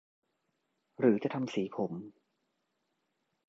หรือจะทำสีผม